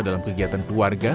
dalam kegiatan keluarga